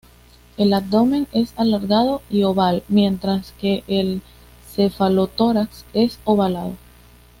El abdomen es alargado y oval, mientras que el cefalotórax es ovalado.